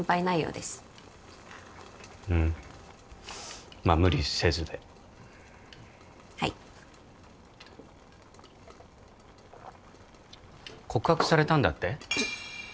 うんまあ無理せずではい告白されたんだって？